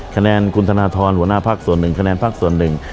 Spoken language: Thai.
คะแนนคุณธนทรหัวหน้าพักส่วนหนึ่งคะแนนพักส่วนหนึ่ง